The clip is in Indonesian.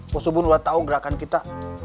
bos ubud luar tahu gerakan kita